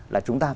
là chúng ta